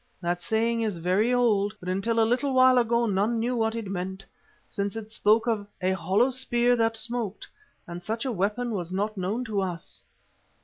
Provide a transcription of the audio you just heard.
That saying is very old, but until a little while ago none knew what it meant, since it spoke of 'a hollow spear that smoked,' and such a weapon was not known to us."